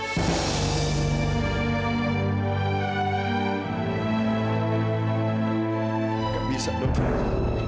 tidak bisa dokter